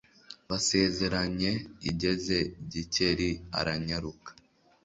basezeranye igeze Gikeli aranyaruka